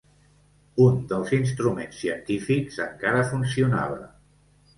Un dels instruments científics encara funcionava.